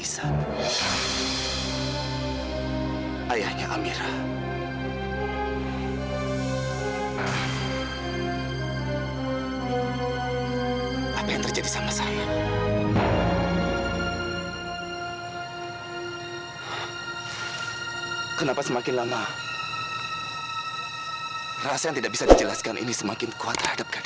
sampai jumpa di video selanjutnya